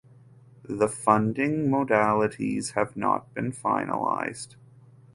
The funding modalities have not been finalized.